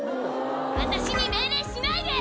私に命令しないで！